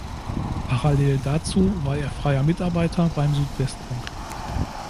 Parallel dazu war er freier Mitarbeiter beim Südwestfunk.